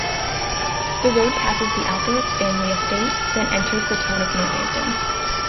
The road passes the Althorp family estate, then enters the town of Northampton.